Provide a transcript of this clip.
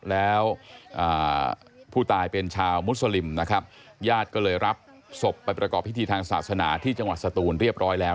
แล้วผู้ตายเป็นชาวมุสลิมนะครับญาติก็เลยรับศพไปประกอบพิธีทางศาสนาที่จังหวัดสตูนเรียบร้อยแล้ว